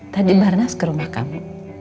tadi barnas ke rumah kamu